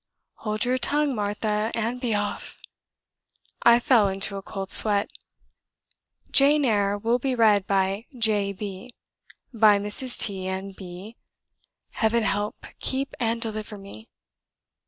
'Hold your tongue, Martha, and be off.' I fell into a cold sweat. "Jane Eyre" will be read by J B , by Mrs. T , and B . Heaven help, keep, and deliver me!"